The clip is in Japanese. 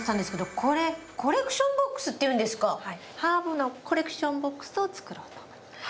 ハーブのコレクションボックスを作ろうと思います。